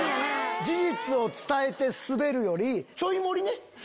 事実を伝えてスベるより。